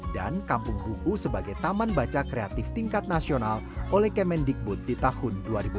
dan kampung buku sebagai taman baca kreatif tingkat nasional oleh kemendikbud di tahun dua ribu enam belas